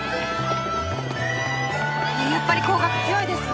やっぱり皇學強いですね・